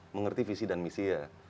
mengerti visi dan misi